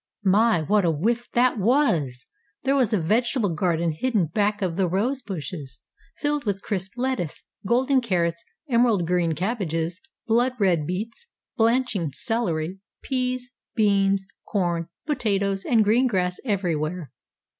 My, what a whiff that was! There was a vegetable garden hidden back of the rose bushes, filled with crisp lettuce, golden carrots, emerald green cabbages, blood red beets, blanching celery, peas, beans, corn, potatoes, and green grass everywhere.